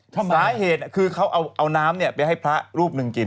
สาเหตุคือเขาเอาน้ำไปให้พระรูปหนึ่งกิน